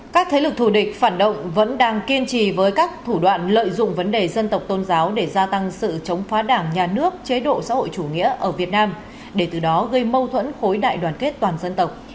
các thế lực thù địch phản động vẫn đang kiên trì với các thủ đoạn lợi dụng vấn đề dân tộc tôn giáo để gia tăng sự chống phá đảng nhà nước chế độ xã hội chủ nghĩa ở việt nam để từ đó gây mâu thuẫn khối đại đoàn kết toàn dân tộc